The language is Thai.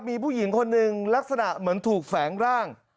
มีผู้หญิงคนหนึ่งลักษณะเหมือนถูกแฝงร่าง